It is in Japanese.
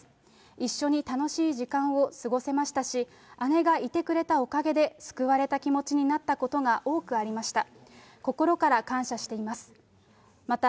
一緒に楽しい時間を過ごせましたし、姉がいてくれたおかげで、救われた気持ちになったことが多くありました。